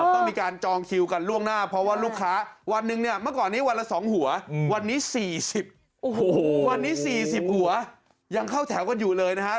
ต้องมีการจองคิวกันล่วงหน้าเพราะว่าลูกค้าวันหนึ่งเนี่ยเมื่อก่อนนี้วันละ๒หัววันนี้๔๐วันนี้๔๐หัวยังเข้าแถวกันอยู่เลยนะฮะ